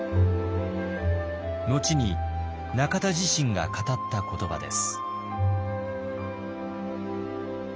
後に中田自身が語った言葉です。